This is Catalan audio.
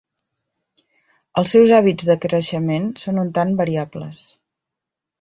Els seus hàbits de creixement són un tant variables.